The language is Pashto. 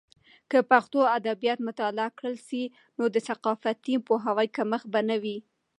که پښتو ادبیات مطالعه کړل سي، نو د ثقافتي پوهاوي کمښت به نه وي.